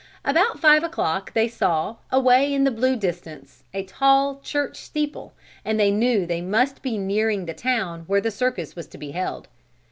About five o'clock they saw, away in the blue distance, a tall church steeple and they knew they must be nearing the town where the circus was to be held.